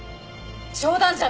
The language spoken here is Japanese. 冗談じゃない！